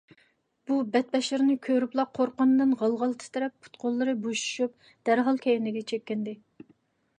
بۇ بەتبەشىرىنى كۆرۈپلا قورققىنىدىن غال - غال تىترەپ، پۇت - قوللىرى بوشىشىپ دەرھال كەينىگە چېكىندى.